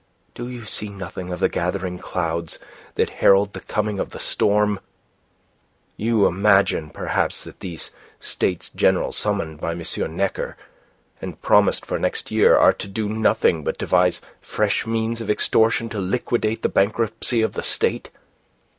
"Do you see nothing of the gathering clouds that herald the coming of the storm? You imagine, perhaps, that these States General summoned by M. Necker, and promised for next year, are to do nothing but devise fresh means of extortion to liquidate the bankruptcy of the State?